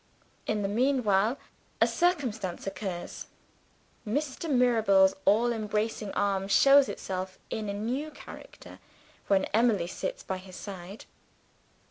In the meanwhile a circumstance occurs. Mr. Mirabel's all embracing arm shows itself in a new character, when Emily sits by his side.